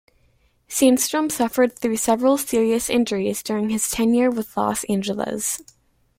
Sandstrom suffered through several serious injuries during his tenure with Los Angeles.